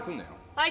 はい。